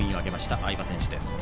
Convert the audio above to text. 相葉選手です。